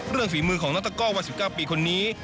เรื่องฝีมือของนักตะกอกวัน๑๙ปีคนนี้